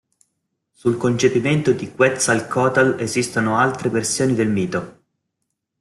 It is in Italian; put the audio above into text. Sul concepimento di Quetzalcoatl esistono altre versioni del mito.